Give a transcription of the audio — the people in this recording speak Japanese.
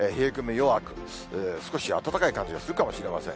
弱く、少し暖かい感じがするかもしれません。